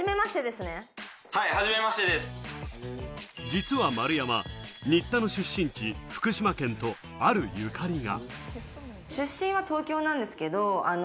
実は丸山、新田の出身地、福島県とあるゆかりが。